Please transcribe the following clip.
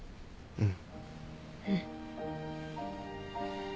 うん。